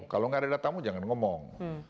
kalau tidak ada datamu jangan ngomong